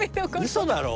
うそだろ。